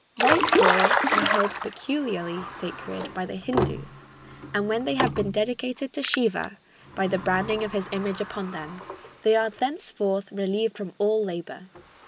"White bulls are held peculiarly sacred by the Hindus, and when they have been dedicated to Siva by the branding of his image upon them, they are thenceforth relieved from all labor.